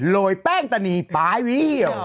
โรยแป้งตานีปลายหวีเหี่ยว